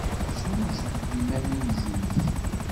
Sewjed-d iman-im zik.